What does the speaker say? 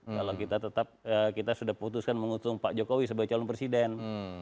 kalau kita tetap kita sudah putuskan mengutung pak jokowi sebagai calon presiden